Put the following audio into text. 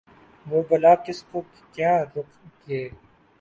وہ بلا کس کو کیا روک گے ۔